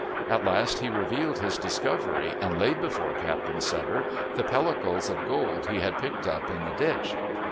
At last he revealed his discovery, and laid before Captain Sutter the pellicles of gold he had picked up in the ditch.